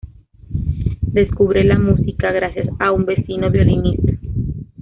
Descubre la música gracias a un vecino violinista.